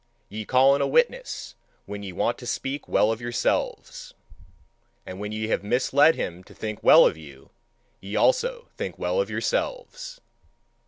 Ye call in a witness when ye want to speak well of yourselves; and when ye have misled him to think well of you, ye also think well of yourselves.